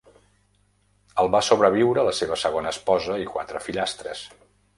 El va sobreviure la seva segona esposa i quatre fillastres.